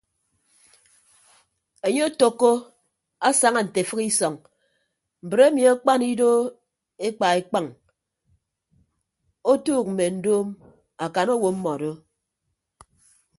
Enye otәkko asaña nte efịk isọñ mbre emi akpan ido ekpa ekpañ otuuk mme ndoom akan owo mmọdo.